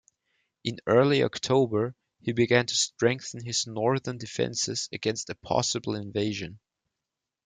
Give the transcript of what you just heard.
In early October, he began to strengthen his northern defences against a possible invasion.